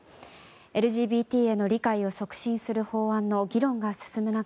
ＬＧＢＴへの理解を促進する法案の議論が進む中